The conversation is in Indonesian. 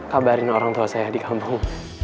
kabarin orang tua saya di kampung